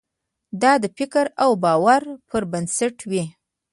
دا د فکر او باور پر بنسټ وي.